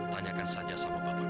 tanyakan saja sama bapak